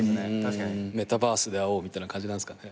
メタバースで会おうみたいな感じなんすかね。